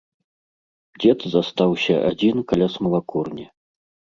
Дзед застаўся адзін каля смалакурні.